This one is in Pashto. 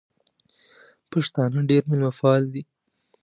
پښتانه ډېر مېلمه پال دي.